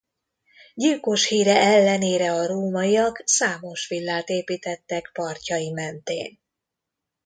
Gyilkos híre ellenére a rómaiak számos villát építettek partjai mentén.